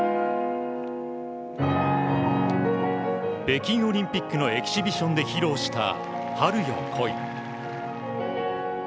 北京オリンピックのエキシビションで披露した「春よ、来い」。